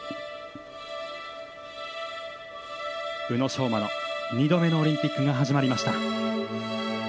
宇野昌磨の２度目のオリンピックが始まりました。